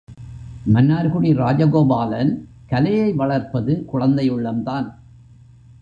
மன்னார்குடி ராஜகோபாலன் கலையை வளர்ப்பது குழந்தையுள்ளம்தான்.